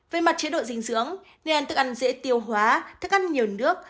về mặt chế độ dinh dưỡng nên ăn thức ăn dễ tiêu hóa thức ăn nhiều nước